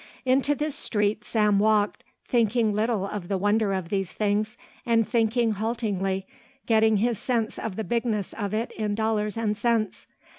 Into this street Sam walked, thinking little of the wonder of these things and thinking haltingly, getting his sense of the bigness of it in dollars and cents.